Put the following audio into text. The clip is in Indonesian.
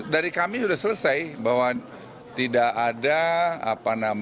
dari kami sudah selesai bahwa tidak ada alasan